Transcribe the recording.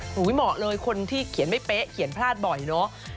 เหมาะเลยคนที่เขียนไม่เป๊ะเขียนพลาดบ่อยเนอะ